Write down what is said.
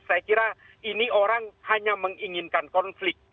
saya kira ini orang hanya menginginkan konflik